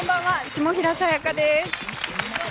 下平さやかです。